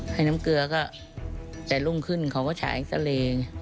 ให้น้ำเกลือจากรุ่งขึ้นเขาก็ฉายสะเหล